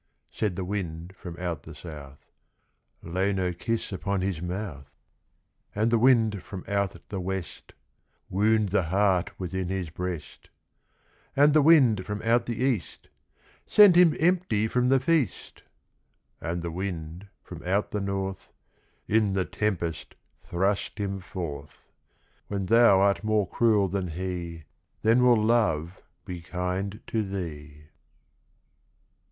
Said the wind from out the south, "Lay no kiss upon his mouth," And the wind from out the west, "Wound the heart within his breast," And the wind from out the east, "Send him empty from the feast," And the wind from out the north, "In the tempest thrust him forth; When thou art more cruel than he, Then will Love be kind to thee."